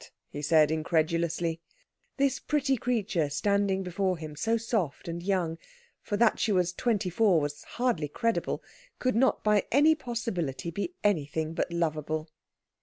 he said incredulously. This pretty creature standing before him, so soft and young for that she was twenty four was hardly credible could not by any possibility be anything but lovable.